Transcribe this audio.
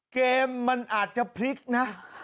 เกมมันอาจจะพลิกนะ